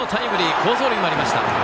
好走塁もありました。